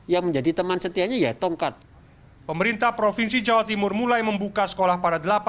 yang menjadi teman setianya ya tongkat pemerintah provinsi jawa timur mulai membuka sekolah pada